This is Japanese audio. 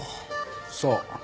そう。